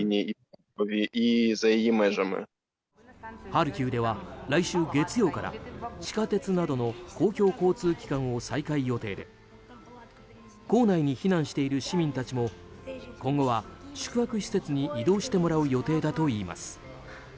ハルキウでは来週月曜から地下鉄などの公共交通機関を再開予定で構内に避難している市民たちも今後は宿泊施設に移動してもらう予定だといいます。